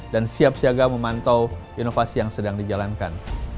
dan siap siaga memantau inovasi yang sedang dijalankan